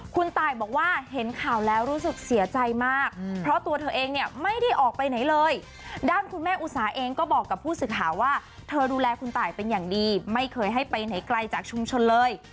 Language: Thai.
คุณตายบอกว่าเห็นข่าวแล้วรู้สึกเสียใจมากเพราะตัวเธอเองเนี่ยไม่ได้ออกไปไหนเลยด้านคุณแม่อุสาเองก็บอกกับผู้สื่อข่าวว่าเธอดูแลคุณตายเป็นอย่างดีไม่เคยให้ไปไหนไกลจากชุมชนเลย